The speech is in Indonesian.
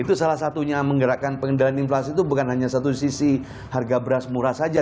itu salah satunya menggerakkan pengendalian inflasi itu bukan hanya satu sisi harga beras murah saja